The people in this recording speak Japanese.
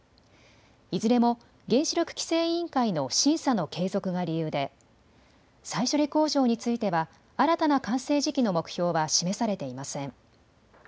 いずれも原子力規制委員会の審査の継続が理由で、再処理工場については新たな完成時期の目標は示されていません。